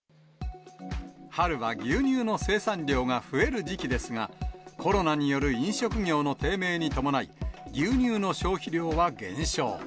春は牛乳の生産量が増える時期ですが、コロナによる飲食業の低迷に伴い、牛乳の消費量は減少。